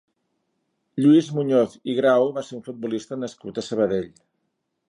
Lluís Muñoz i Grau va ser un futbolista nascut a Sabadell.